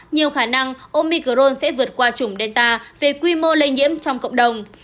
nhiều khả năng omicron sẽ vượt qua chủng delta về quy mô lây nhiễm trong cộng đồng